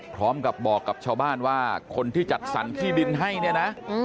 พร้อมกับบอกกับชาวบ้านว่าคนที่จัดสรรที่ดินให้เนี่ยนะ